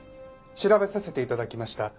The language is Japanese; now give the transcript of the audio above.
調べさせて頂きました。